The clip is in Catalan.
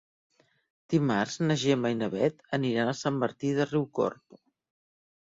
Dimarts na Gemma i na Bet aniran a Sant Martí de Riucorb.